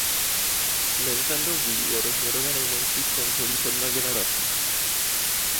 Nintendo Wii je rozměrově nejmenší z konzolí sedmé generace.